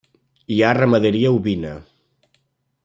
Hi ha ramaderia ovina.